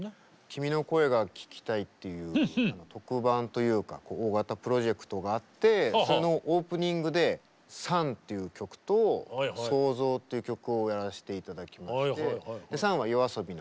「君の声が聴きたい」っていう特番というか大型プロジェクトがあってそのオープニングで「ＳＵＮ」っていう曲と「創造」っていう曲をやらせて頂きまして「ＳＵＮ」はＹＯＡＳＯＢＩの２人と一緒に。